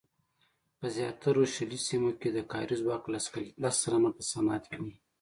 په زیاترو شلي سیمو کې د کاري ځواک لس سلنه په صنعت کې وو.